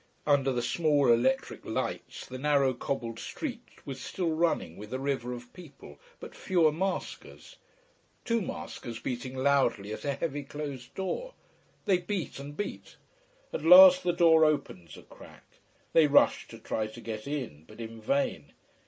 Under the small electric lights the narrow, cobbled street was still running with a river of people, but fewer maskers. Two maskers beating loudly at a heavy closed door. They beat and beat. At last the door opens a crack. They rush to try to get in but in vain.